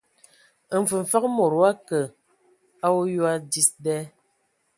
Mfəfəg mod wa kə a oyoa dis da.